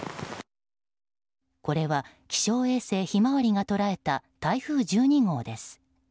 これは気象衛星ひまわりが捉えた台風１２号です。